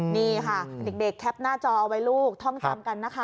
นี่ค่ะเด็กแคปหน้าจอเอาไว้ลูกท่องจำกันนะคะ